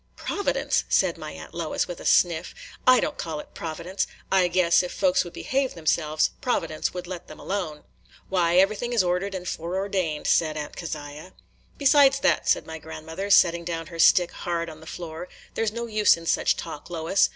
"Providence!" said my Aunt Lois, with a sniff. "I don't call it providence. I guess, if folks would behave themselves, Providence would let them alone." "Why, everything is ordered and foreordained," said Aunt Keziah. "Besides that," said my grandmother, setting down her stick hard on the floor, "there 's no use in such talk, Lois.